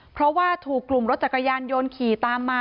เพราะว่าถูกกลุ่มรถจักรยานยนต์ขี่ตามมา